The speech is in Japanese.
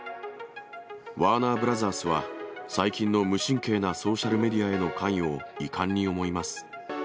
ワーナーブラザースは最近の無神経なソーシャルメディアへの関与を遺憾に思います。